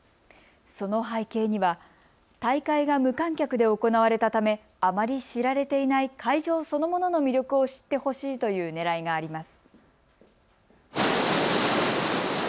その背景には大会が無観客で行われたためあまり知られていない会場そのものの魅力を知ってほしいというねらいがあります。